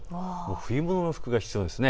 冬物の服が必要です。